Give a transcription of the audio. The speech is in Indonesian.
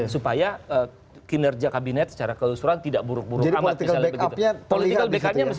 supaya kinerja kabinet secara keusuran tidak buruk buruk amat